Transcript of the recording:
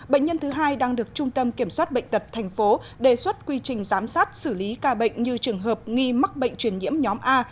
bệnh nhân thứ hai đang được trung tâm kiểm soát bệnh tật tp đề xuất quy trình giám sát xử lý ca bệnh như trường hợp nghi mắc bệnh truyền nhiễm nhóm a